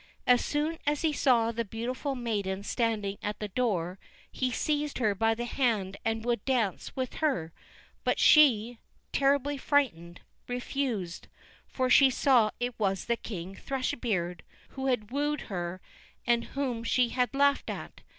As soon as he saw the beautiful maiden standing at the door, he seized her by the hand and would dance with her, but she, terribly frightened, refused; for she saw it was King Thrush beard, who had wooed her, and whom she had laughed at.